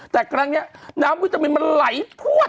แต่ครั้งนี้น้ำวิตามินมันไหลพวด